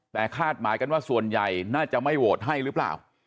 แต่คาดหมายกันว่าส่วนใหญ่น่าจะไม่โหวตให้หรือเปล่า